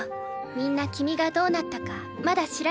みんな君がどうなったかまだ知らないんだ。